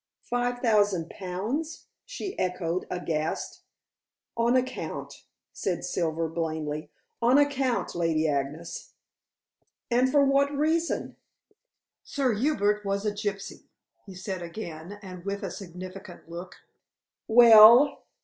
"Five thousand pounds!" she echoed, aghast. "On account," said Silver blandly. "On account, Lady Agnes." "And for what reason?" "Sir Hubert was a gypsy," he said again, and with a significant look. "Well?"